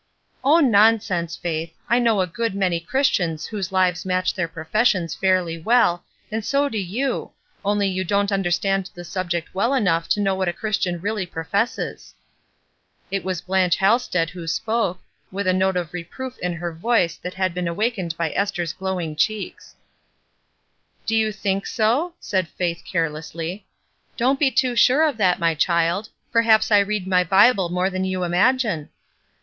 ''Oh, nonsense. Faith; I know a good many Christians whose lives match their professions fairly well, and so do you, only you don't under stand the subject well enough to know what a Christian really professes." It was Blanche Halsted who spoke, with a note of reproof in her voice that had been awakened by Esther's glowing cheeks. "WHAT'S IN A NAME?" a ■ Do you think so?'' said Faith, carelessly. ''Don't be too sure of that, my child. Perhaps I read my Bible more than you imagine."